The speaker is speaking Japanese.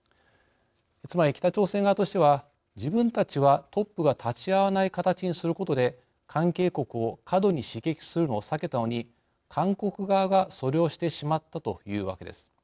つまり北朝鮮側としては自分たちはトップが立ち会わない形にすることで関係国を過度に刺激するのを避けたのに韓国側がそれをしてしまったというわけです。